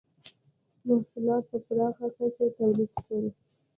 • محصولات په پراخه کچه تولید شول.